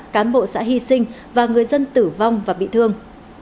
cán bộ xã hy sinh và người dân tử vong và bị thương